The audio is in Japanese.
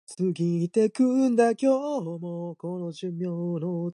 ちょっと待ってください。それじゃ話が違うじゃないですか。